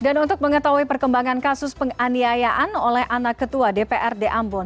dan untuk mengetahui perkembangan kasus penganiayaan oleh anak ketua dprd ambon